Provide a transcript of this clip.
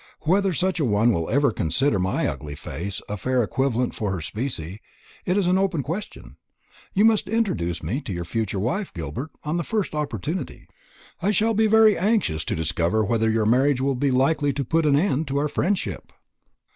Whether such a one will ever consider my ugly face a fair equivalent for her specie, is an open question. You must introduce me to your future wife, Gilbert, on the first opportunity. I shall be very anxious to discover whether your marriage will be likely to put an end to our friendship."